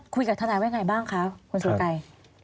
คุยกับธนายไว้ไงบ้างคะคุณสุรไกร